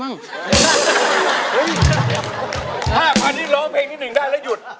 ๕๐๐๐นิดร้องเพลงนิดนึงได้แล้วหยุด